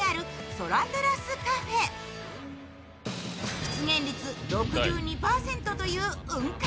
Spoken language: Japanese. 出現率６２％という雲海。